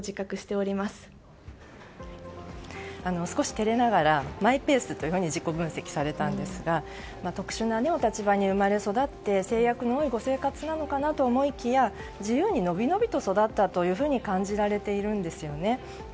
少し照れながらマイペースというふうに自己分析されたんですが特殊なお立場に生まれ育って制約も多いご生活なのかなと思いきや自由にのびのびと育ったと感じられているんですよね。